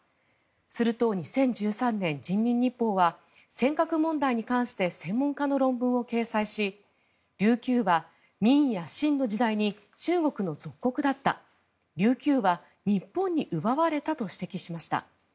すると２０１３年、人民日報は尖閣問題に関して専門家の論文を掲載し琉球は明や清の時代に中国の属国だった琉球は日本に奪われたと指摘しました。